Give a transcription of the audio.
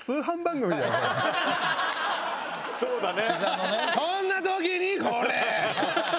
そうだね。